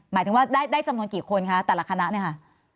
หมายถึงว่าได้จำนวนกี่คนคะแต่ละคณะเนี่ยค่ะ